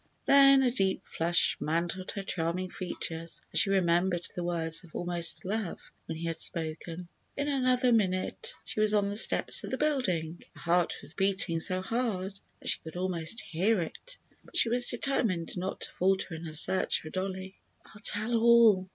Then a deep flush mantled her charming features as she remembered the words of almost love which he had spoken. In another minute she was on the steps of the building. Her heart was beating so hard that she could almost hear it, but she was determined not to falter in her search for Dollie. "I'll tell all!"